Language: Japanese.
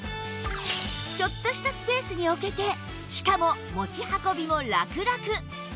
ちょっとしたスペースに置けてしかも持ち運びもラクラク